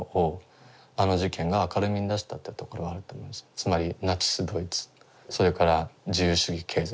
つまりナチス・ドイツそれから自由主義経済